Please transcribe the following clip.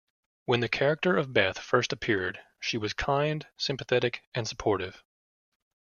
When the character of Beth first appeared, she was kind, sympathetic and supportive.